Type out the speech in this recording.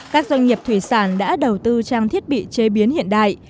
các doanh nghiệp thủy sản đã đầu tư trang thiết bị chế biến hiện đại